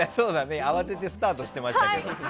慌ててスタートしてましたからね。